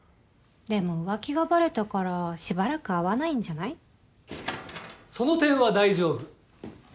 でも浮気がバレたからしばらく会わないんじゃない？・・その点は大丈夫。